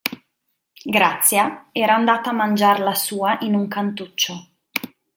Grazia era andata a mangiar la sua in un cantuccio.